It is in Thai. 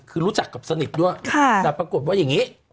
คือรู้จักกับสนิทด้วยแต่ปรากฏว่าอย่างนี้